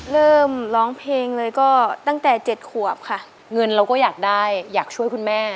เริ่มร้องเพลงเลยก็ตั้งแต่๗ขวบค่ะเงินเราก็อยากได้อยากช่วยคุณแม่